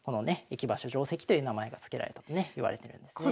駅馬車定跡という名前が付けられたとねいわれてるんですね。